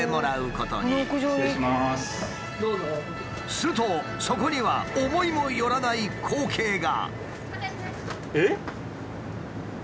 するとそこには思いもよらない光景が。